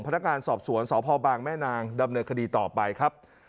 พนักงานสอบสวนสพบางแม่นางดำเนินคดีต่อไปครับ